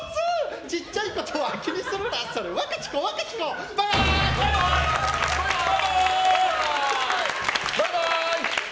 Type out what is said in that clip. ちっちゃいことは気にするなそれ、わかちこ、わかちこ！バイバイ！